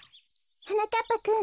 はなかっぱくん。